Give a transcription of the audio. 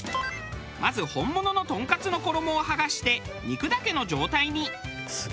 まず本物のトンカツの衣を剥がして肉だけの状態に。